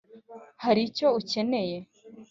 hari icyo ukeneye?